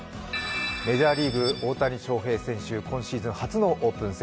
メジャーリーグ・大谷翔平選手、今シーズン初のオープン戦。